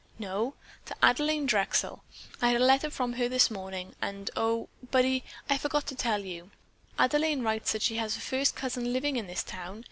"No, to Adelaine Drexel. I had a letter from her this morning, and oh, Buddy, I forgot to tell you, Adelaine writes that she has a first cousin living in this town.